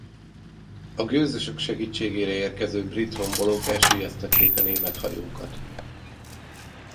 A gőzösök segítségére érkező brit rombolók elsüllyesztették a német hajókat.